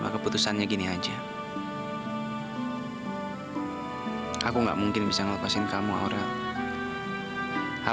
mulai saat ini aku gak akan pernah nyanyiin kamu lagi